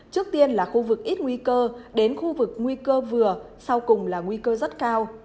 trước tiên là khu vực ít nguy cơ đến khu vực nguy cơ vừa sau cùng là nguy cơ rất cao